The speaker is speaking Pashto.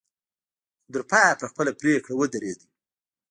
خو تر پايه پر خپله پرېکړه ودرېدو.